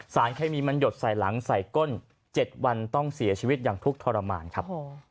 สารเคมีมันหยดใส่หลังใส่ก้น๗วันต้องเสียชีวิตอย่างทุกข์ทรมานครับ